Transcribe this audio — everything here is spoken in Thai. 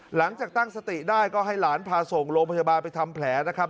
หลังจากตั้งสติได้ก็ให้หลานพาส่งโรงพยาบาลไปทำแผลนะครับ